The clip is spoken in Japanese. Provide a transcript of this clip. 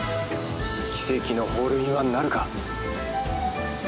奇跡のホールインワンなるか？